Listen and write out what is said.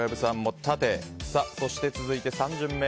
そして、続いて３巡目。